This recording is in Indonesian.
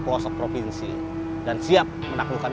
pelosok provinsi dan siap menaklukkan